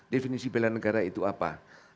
definisi bela negara itu apa